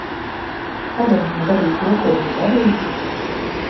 Kādēļ viņa darīja to, ko viņa darīja?